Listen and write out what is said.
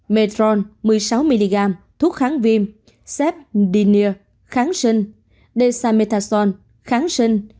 metron một mươi sáu mg thuốc kháng viêm sepdenil kháng sinh desamethasone kháng sinh